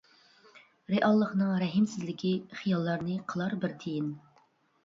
رېئاللىقنىڭ رەھىمسىزلىكى، خىياللارنى قىلار بىر تىيىن.